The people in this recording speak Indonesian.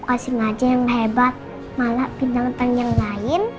oksigen aja yang hebat malah pindah ke tempat yang lain